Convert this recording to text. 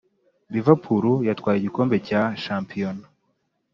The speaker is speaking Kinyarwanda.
liverpool yatwaye igikombe cya shampiyona